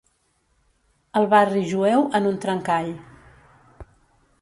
El barri jueu en un trencall.